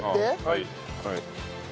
はい。